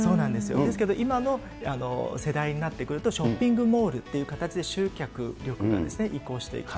ですけど、今の世代になってくると、ショッピングモールという形で、集客力が移行していくと。